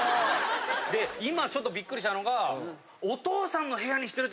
で今ちょっとビックリしたのが。